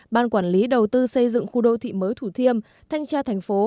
ban quản lý đầu tư xây dựng khu đô thị mới thủ thiêm thanh tra thành phố